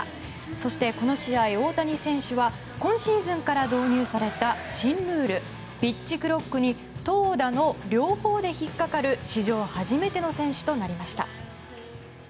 そして、この試合大谷選手は今シーズンから導入された新ルールピッチクロックに投打の両方で引っかかる史上初めての選手となりました。